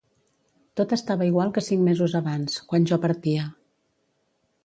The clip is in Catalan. Tot estava igual que cinc mesos abans, quan jo partia.